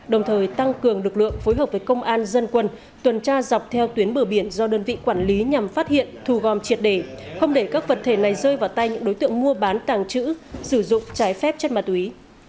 đồng thời tăng cường lực lượng phối hợp với công an dân quân tuần tra dọc theo tuyến bờ biển do đơn vị quản lý nhằm phát hiện thu gom triệt để không để các vật thể này rơi vào tay những đối tượng mua bán tàng trữ sử dụng trái phép chất ma túy